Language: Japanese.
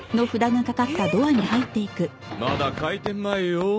まだ開店前よ。